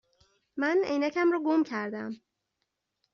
من عینکم را گم کرده ام.